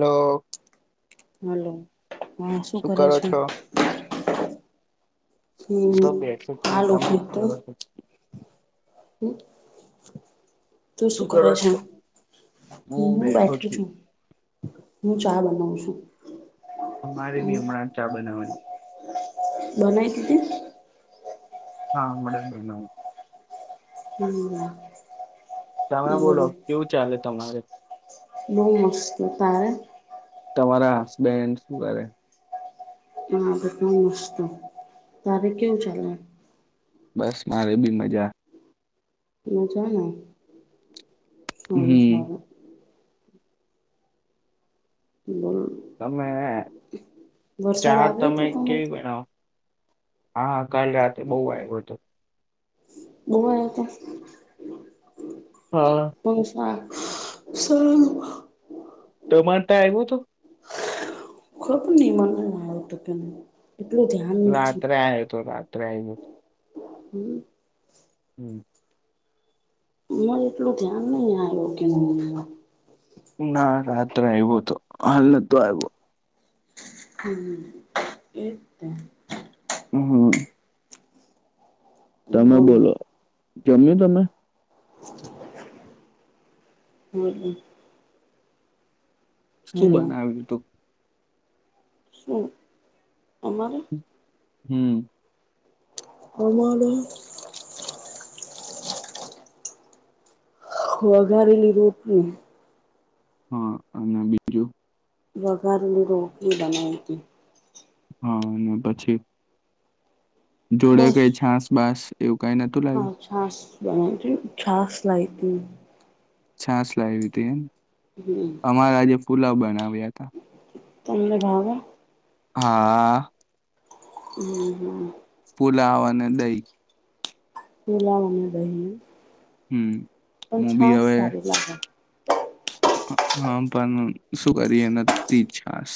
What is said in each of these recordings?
Hello hello હા શું કરે કરો છે. છો હું તો હમ બેઠક તું હાલ તમે જ ઉઠી તું કર શ. હમ [unintelligible] તું શું કરો છ હું બેઠ છું હું ચા બનાવ છું. હ [unintelligible] અમારે બી હમણાં ચા બનાવાની. બનાાય તધ. હા મળડ બે ન. હમ [unintelligible] તમે બોલો કેવું ચાલે તમારે. [inaudible] બ મસ્ કરતા. તમારા હસબેન્ડ શું કરે. હા બધમ મસ્ત તારે કેવું ચાલે. બસ મારે બી મજા. મજવાના. સારું હમ સાર. બ [unintelligible] સમમે. વરસાદ આવ્યો હતો કરથી. હા [unintelligible] કાલ રાતે બહુ આવ્યો હતો. બહ હા હતા. હછ સર તમારે ત્યાં આવ્યો હતો ખબ નિ મને. ટ કે [unintelligible] એટલું ધ્યાન નથી. ત્રેમ [unintelligible] હમ. [unintelligible] હમ. [unintelligible] હ એટલું ધ્યાન નહી આવ્યું કે હ. ના રાત્રે આવ્યો તો હાલ નતો આવ્યો. હમ એતો. હમ. તમે બોલો. જમ્યું તમે? હમ. શું બનાવ્યું હતું? શું? અમારે હમ. આમાને વગારલી રોટલી હા અને બીજું? વઘારલી રોટી બનાવતી. હા અને પછી? જોડે બસ કઈ છાંસ બાસ એવું કઈ નતું હા લાગ્યું? લાઈ તી. છાસ લાવવી હતી એમ. હમ અમારા આજે પુલાવ બનાવ્યા હતા. તમને ભાવે? હા. હમ હમ. પુલાવ અને દહી. પુલાવ અને દહીએ. હમ હું બી હવે સારી લાગે હા પણ શું કરી એ નથી છાસ.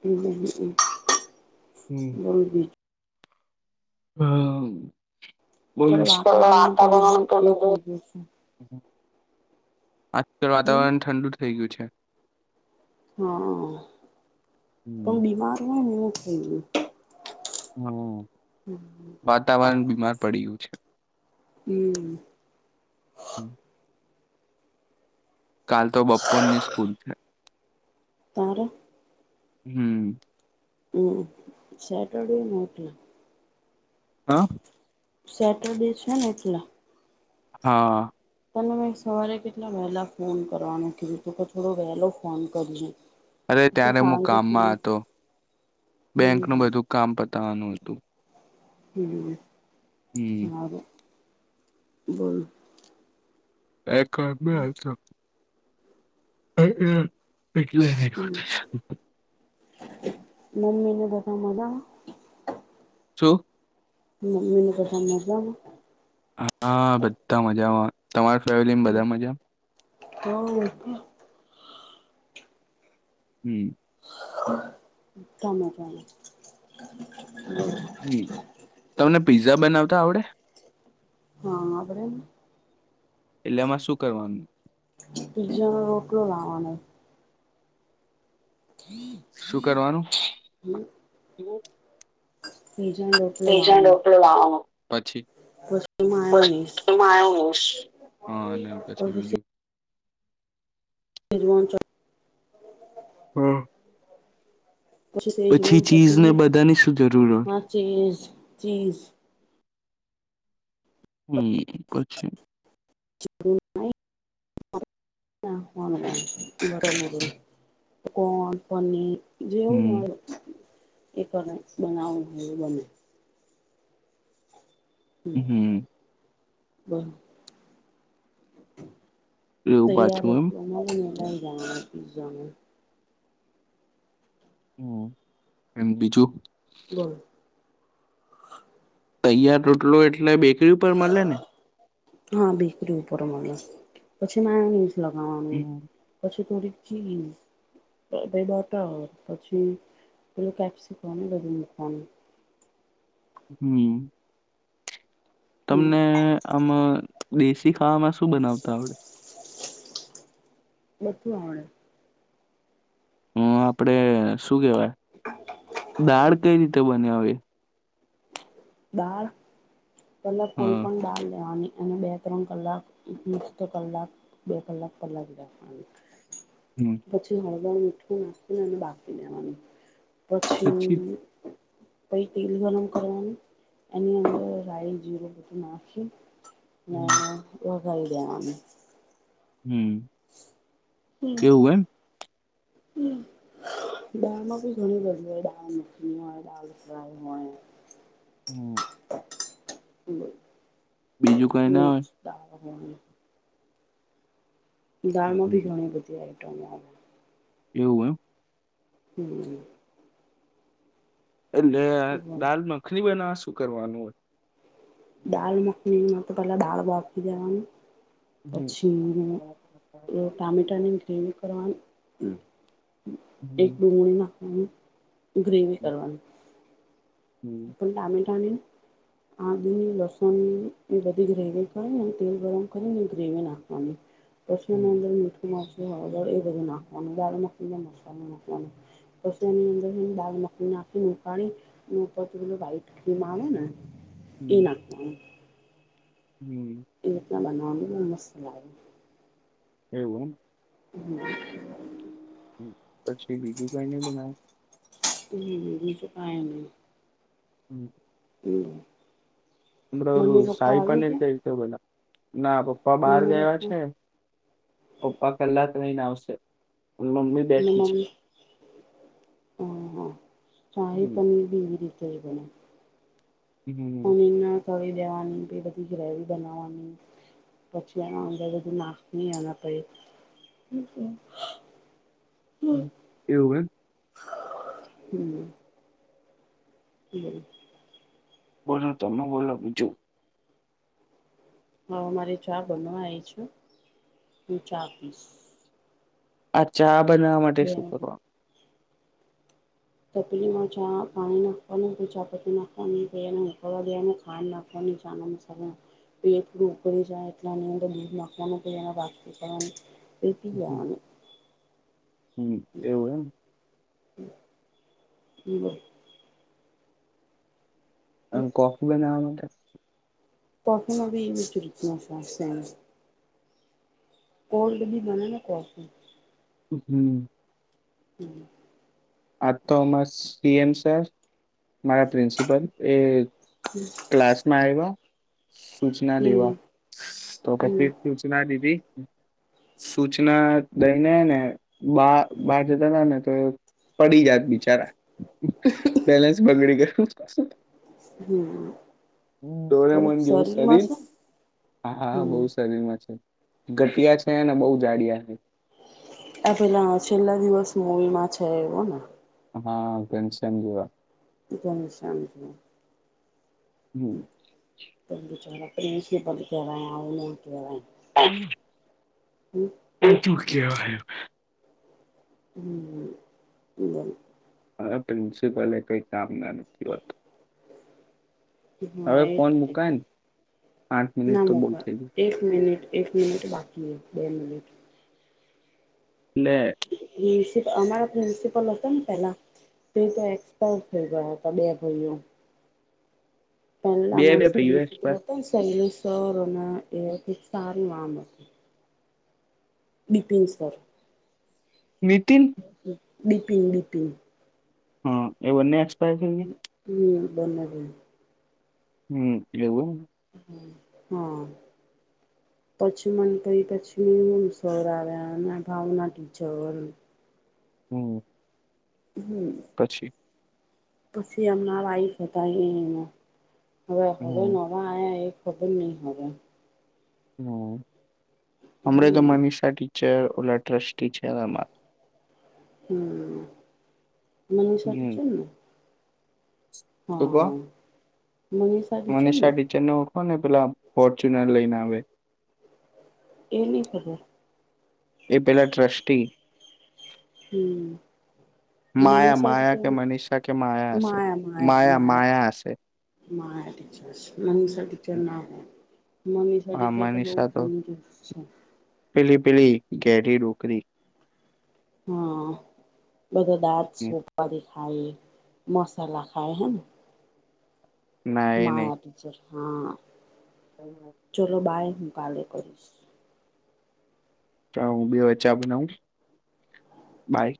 હમ હમ. [unintelligible] હમ. વાતાવરણ પેલું બહુ બશ એ થઈ ગયું છે [unintelligible] હમ વાતાવરણ ઠંડુ થઈ ગયું છે. હા હમ પણ બીમાર હોય ને [unintelligible] હમ. વાતાવરણ બીમાર પડીયુ છે. હમ. કાલ તો બપોરની સ્કૂલ છે. તારે હમ્મ હમ્મ સેટરડે ને એટલે. હ અ. સેટરડે છે ને એટલ હા. તમને મેં સવારે કેટલા વહેલા ફોન કરવાનું કીધું તું કે થોડો વહેલો ફોન કરીએ. અરે ત્યારે મુ કામમાં હતો [inaudible] બેંકનું હમ બધું કામ પ તાનું હતું. હમ્મ. હમ [inaudible] બલ. [unintelligible] [inaudible] એટલે. [inaudible] મ્મીને બધાં મજામાં? છું. મ્મી ન બધા મજામાં. હ અ બધા મજામાં. તમારા ફેવલીમ બધા મજામ. હા એ. [inaudible] હમ્મ. [inaudible] હમ્મ તમને પિઝા બનાવતા આવડે? હા આવડેને. એટલે એમાં શું કરવાનું? પિઝાનો રોટલો લાવવાનો. શું કરવાનું [inaudible] પીઝાનો રોટલો પિજાનો લાવવાનો રોટલો લાવવાનો. પછી? પછી એમાં આયોનીઝ હા [unintelligible] સેજવાન ચટ હા. પછી સેજવાન ચીઝ ને ચટણી, બધાની શું જરૂર હોય આ ચીઝ-ચીઝ હમ્મ. [unintelligible] [inaudible] પછી [inaudible] કોન પનીર જેવું જ હમ હોય. [unintelligible] બનાવું હોય એ બને. હમ્મ-હમ્મ. બહ એવું તૈયાર પાછું એમ રૂપિયા મલી ને લાય [inaudible] હમ્મ. એમ બીજું? [unintelligible] તૈયાર રોટલો એટલે બેકરી ઉપર મલે ને? હા બેકરી ઉપર મલે. પછી માયોનીઝ લગાવવાનું, હમ પછી થોડીક ચીઝ, પઈ પઈ બટર, પછી પેલું કેપ્સિકમ એ બધું નાખવાનું. હમ્મ. હમ તમને આમા દેશી ખાવામાં શું બનાવતા આવડે? બધું આવડે. અહ આપડે શ શું કેવાય, દાળ કઈ રીતે બનાવી? દાળ? પેલા કોઈ હા પણ દાળ લેવાની. અને બે ત્રણ કલાક મિ મિસ્ટ કલાક બે કલાક પલાળી રાખવાનું. હમ પછી હ [unintelligible] મીઠું નાખીને એને બાફી દેવાની. પછી પહી તેલ ગલમ કરવું એની અંદર રાય જીરું બધું નાખી ના હમ ના ઓહ ડાલ દેવાનું. હમ્મ એવું એમ. હમ્મ. દાળમાં બી ઘણી બધી હોય દાલ મખની હોય દાલ ફ્રાય હોય. હમ [inaudible] બીજું કઈ ના ઓય? મિક્સ [inaudible] દાળમાં ભી હમ ઘણી બધી આઈ [inaudible] એવું એમ? હમ્મ. એટલે આ દાલ મખની બનાવશ? શું કરવાનું હોય? દાલ મખનીમાં તો પેલા દાળ બાફી દેવાનું હમ પછી અહ ટામેટા ની ગ્રેવી કરવા હમ્મ. એક [inaudible] હમ્મ. ગ્રેવી હમ કરવાનું. હમ આપ પણ ટામેટા ને આદુ ને લસુણ એ બધી ગ્રેવી કરીને તેલ ગરમ કરીને ગ્રેવી નાખવાની. પછી હમ એમ મીઠું મા લો હળદળ એ બધું નાખવાનું દાળ મખનીમાં મસાલો નાખવાનો પછી એની અંદર દાળ મખની નાખીને ઉકાળી એ [inaudible] વાઈટ ક્રીમ આવે ને એ હમ નાખવાનું. હમ એ એટલા બના [inaudible] ની ને મસ્ત લાગે. એવું? હમ્મ. હમ્મ, પછી બીજું કઈની બનાયો? હમ્મ બીજું તો કાઈ નઈ. હમ્મ. હમ્મ. પડે ઓેલું શાહી [unintelligible] કેવીતે [unintelligible] ના પપ્પા બહાર મમ્મી ગયા લોકો છે. પપ્પા કલાક રઈને આવશે. મમ્મી બેઠી છે. હ હા, શાહી હમ પનીર બી એવી રીતે જઈબના. હમ અને ના. દેવાની બઘી ગ્રેવી બનાવાની પછી એ અંદર બધું નાખ [unintelligible] હમ, એવું એમ. હમ. હમ. બોલો તમે બોલો બીજુ. હવે મારે ચા બનવાય છુ હું ચા પીશ. અચ્છા. બનાવવા માટે બે શું કરવાનું? તપલીમાં ચા પાણી નાખવાનું ચાપત્ નાખવાની એને ઉકળવા દે ખાં નાખવાની બે થોડું ઉળ જાય એટ અંદૂ નાખવાનું કરવા. હમ [inaudible] હમ એવું એમ. [inaudible] અ કોફી બનાવા માટે. તોફી નવીી વિ રીચફાસ. કોલ્ડ બી મને ને કોફી. હમ. [inaudible] આ થોમસ. પીએમ સરર. મારા પ્રિન્સિપલ એ ક્લાસમાં આવ્યા. સૂચના દેવા હમ તો હમ કેટલી સૂચના દીધી. સૂચના દઈને ને બ બહાર જતા હતા ને તો. પડી જાત બિચારા. બલેન્સ બગડી કર પાસ. હમ દોરે થોડુંક મન જેવું શરીરમાં શરીર છે હા બહ હમ શરીર માં છે. ઘટિયા છે. ને બહુ જાડિયા છે આ પેલા છેલ્લા દિવસમાં. મવીમાં છે એવું ને. હા ઘનશમ જેવા. ગમશમજ. હ બ બુ ચરા. [inaudible] [inaudible] [inaudible] ત ક્યા હૈ. [inaudible] મારા પ્રિન્સિપલે કઈ કામ ના નથી હોતું. હવે હા ફોન એ મુકાય ને આઠ ના મિનિટ તો મોક બહુ થઈ ગઈ એક મિનિટ. એક મિનિટ બાકી બે મિનિટ. ને. પ્રન્સલ અમારા પ્રિન્સિપલ હતા ને પેલા તે તો એક્સપાયર થઈ ગયા હતા બે ભાઈઓ. બે બે પહેલામાંત. ભાઈઓ એક્સ્ટ્રા. સરોના એ સાર નું આમ હતું. બપિન સર. મતિન. દિપિ દિપિંગ. હા એવને. [inaudible] બનગ. હમ એલીવું. હમ. હા પછી મને કરી પછી હ સર આવ્યા એ ભાવના ટીચર. હમ. હમ. પછી પછી અમણા વાઇફ હોતા એ એ. હવે હવે હમ નવા આ એક. ખબર નહી હ. હમ. અમરે તો હમ મનીષ સા. ચેર ઓલા ટ્રસ્ટી ચેરમાન. હમ્. મનીશટ હમ છે. હા. મનીષા મને ટીચર ને શાઢી છે ન. ને પેલા ફોર્ચ્યુનર લઈને આવે. એ નહ ખબર. એ પેલા ટ્રસ્ટી. હમ. મન માયા માયા કે ટીચર મનીષા કે હશે માયા માયા માયા માયા ટચ મનષ ટીચર ના. મનીષા ટીચર આમા બહુ નિશા તો કંજૂસ છે. પીલી પીલી ઘેરી ડોકરી. હા બધો દાંત હમ, સપારી. ખાય મસાલા ખાય હમ. ના એ નહી માયા ટીચર. હા. ચલો બાય. હુંકલેલે કરીશું. હ બ વચા બના બાય.